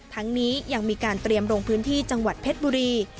ทั้งนี้ยังมีการเตรียมลงพื้นที่จังหวัดเพชรบุรี